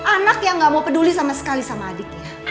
anak yang gak mau peduli sama sekali sama adiknya